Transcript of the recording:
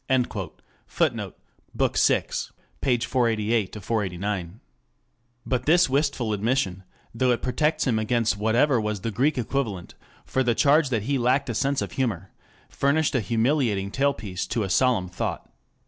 [Footnote: 2 Bk. VI, 488 489.] But this wistful admission, though it protects him against whatever was the Greek equivalent for the charge that he lacked a sense of humor, furnished a humiliating tailpiece to a solemn thought.